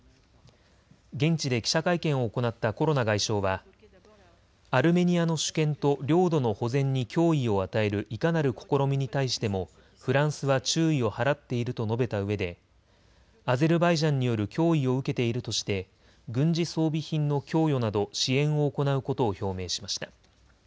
現地で記者会見を行ったコロナ外相はアルメニアの主権と領土の保全に脅威を与えるいかなる試みに対してもフランスは注意を払っていると述べたうえでアゼルバイジャンによる脅威を受けているとして軍事装備品の供与など支援を行うことを表明しました。